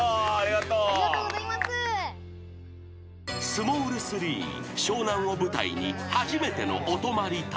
［スモール３湘南を舞台に「初めてのお泊まり旅」］